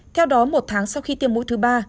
theo đó một tháng sau khi tiêm mũi thứ ba